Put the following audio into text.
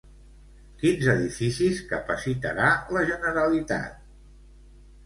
Quins edificis capacitarà la Generalitat?